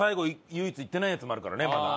唯一いってないやつもあるからねまだ。